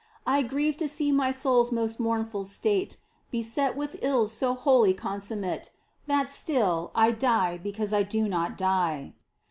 I grieve to see my soul's most mournful state, Beset with ills so wholly consummate _ That still I die because I do not die